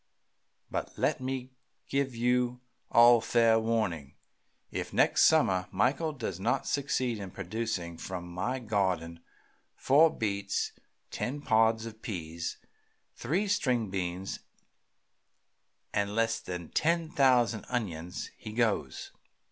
But let me give you all fair warning. If next summer Michael does not succeed in producing from my garden four beets, ten pods of peas, three string beans, and less than ten thousand onions, he goes.